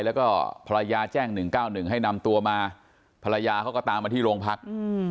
แล้วก็ภรรยาแจ้ง๑๙๑ให้นำตัวมาภรรยาเขาก็ตามมาที่โรงพัก